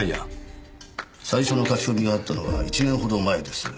最初の書き込みがあったのは１年ほど前です。